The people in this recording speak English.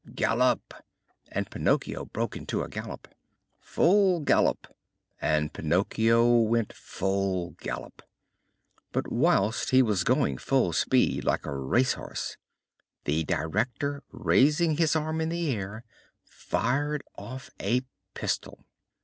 "Gallop!" and Pinocchio broke into a gallop. "Full gallop!" and Pinocchio went full gallop. But whilst he was going full speed like a race horse the director, raising his arm in the air, fired off a pistol.